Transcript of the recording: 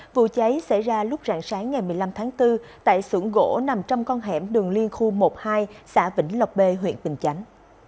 vụ cháy xảy ra lúc rạng sáng ngày một mươi năm tháng bốn tại sưởng gỗ nằm trong con hẻm đường liên khu một mươi hai xã vĩnh lọc bê huyện bình chánh